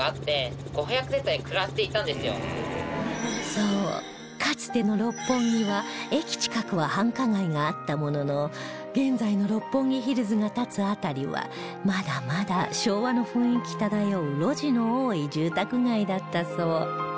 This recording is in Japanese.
そうかつての六本木は駅近くは繁華街があったものの現在の六本木ヒルズが立つ辺りはまだまだ昭和の雰囲気漂う路地の多い住宅街だったそう